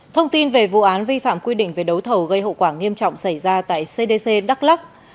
thông tin về vụ án vi phạm quy định về đấu thầu gây hậu quả nghiêm trọng xảy ra tại cdc đắk lắc